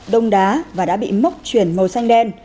đông đá và đã bị mốc chuyển màu xanh đen